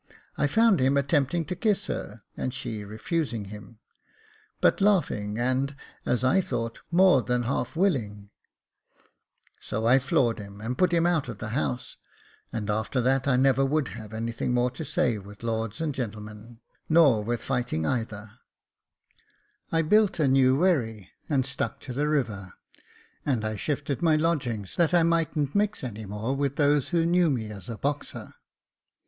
I found him attempting to kiss her, and she refusing him — but laughing, and, as I thought, more than half willing ; so I floored him, and put him out of the house, and after that I never would have anything more to say with lords and gemmen, nor with fighting either, I built a new wherry and stuck to the river, and I shifted my lodgings, that I mightn't mix any more with those who knew me as a boxer.